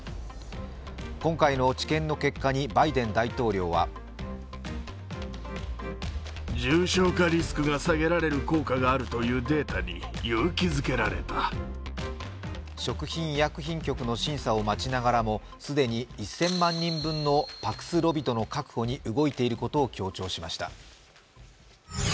今回の治験の結果にバイデン大統領は食品医薬品局の審査を待ちながらもすでに１０００万人分のパクスロビドの確保に動いていることを強調しました。